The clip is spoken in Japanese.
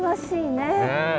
ねえ。